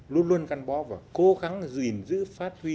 luôn luôn gắn bó và cố gắng gìn giữ phát huy